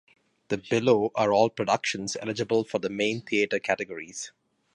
The below are all productions eligible for the main theatre categories.